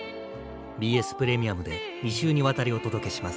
ＢＳプレミアムで２週にわたりお届けします。